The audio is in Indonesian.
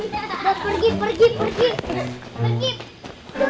pergi pergi pergi